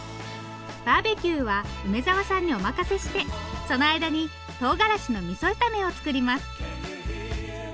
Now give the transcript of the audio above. バーベキューは梅沢さんにお任せしてその間にとうがらしのみそ炒めを作ります。